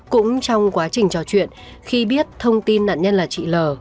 cũng trong quá trình trò chuyện khi biết thông tin nạn nhân là trị lờ